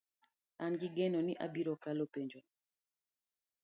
An gi geno ni abiro kalo penj no